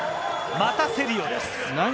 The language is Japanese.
またセリオです。